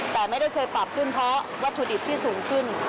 แต่ไม่ได้เคยปรับขึ้นเพราะวัตถุดิบที่สูงขึ้น